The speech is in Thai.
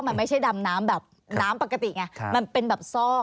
มันไม่ใช่ดำน้ำแบบน้ำปกติไงมันเป็นแบบซอก